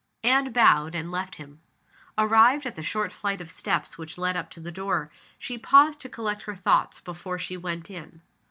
Anne bowed, and left him. Arrived at the short flight of steps which led up to the door, she paused to collect her thoughts before she went in.